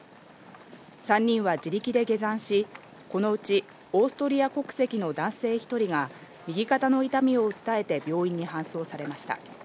３人は自力で下山し、このうちオーストリア国籍の男性１人が右肩の痛みを訴えて病院に搬送されました。